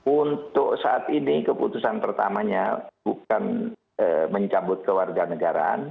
untuk saat ini keputusan pertamanya bukan mencabut keluarga negaraan